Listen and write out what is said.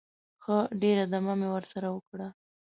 ښه ډېره دمه مې ورسره وکړه.